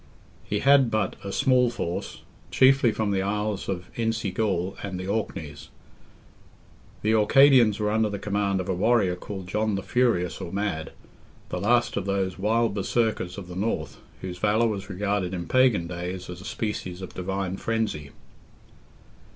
He had but "a small force," chiefly from the isles of Insi Gall and the Orkneys. The Orcadians were under the command of a warrior called John the Furious or Mad, the last of those wild Berserkers of the North, whose valour was regarded in Pagan days as a species of divine frenzy.